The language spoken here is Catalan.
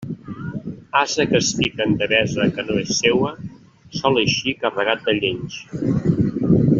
Ase que es fica en devesa que no és seua, sol eixir carregat de llenys.